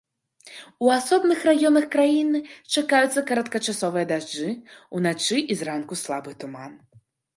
У асобных раёнах краіны чакаюцца кароткачасовыя дажджы, уначы і зранку слабы туман.